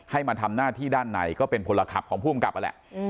ให้มาทำหน้าที่ด้านในก็เป็นพลครับของภูมิกับแหละ